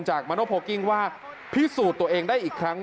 มาโนโพลกิ้งว่าพิสูจน์ตัวเองได้อีกครั้ง